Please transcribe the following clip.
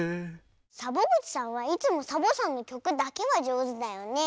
サボぐちさんはいつもサボさんのきょくだけはじょうずだよね。